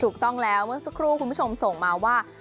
ถูกต้องแล้วเมื่อสักครู่คุณผู้ชมส่งมาว่า